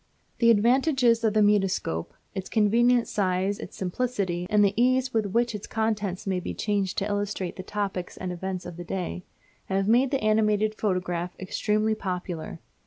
The advantages of the mutoscope its convenient size, its simplicity, and the ease with which its contents may be changed to illustrate the topics and events of the day have made the animated photograph extremely popular.